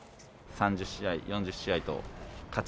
３０試合４０試合と勝ち